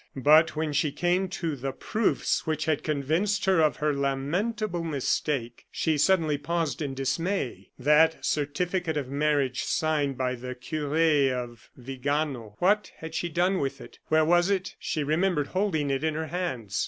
But when she came to the proofs which had convinced her of her lamentable mistake, she suddenly paused in dismay. That certificate of marriage signed by the Cure of Vigano; what had she done with it? where was it? She remembered holding it in her hands.